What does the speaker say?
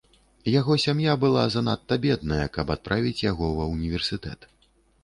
Яго сям'я была занадта бедная, каб адправіць яго ва ўніверсітэт.